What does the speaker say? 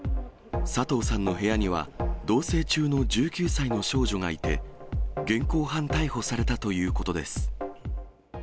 佐藤さんの部屋には、同せい中の１９歳の少女がいて、現行犯逮捕されたということです。